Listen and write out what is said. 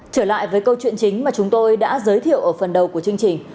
trở lại với câu chuyện chính mà chúng tôi đã giới thiệu ở phần đầu của chương trình